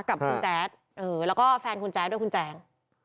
กับคุณแจ๊ดแล้วก็แฟนคุณแจ๊ดด้วยคุณแจง